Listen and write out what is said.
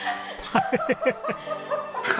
ハハハハハ！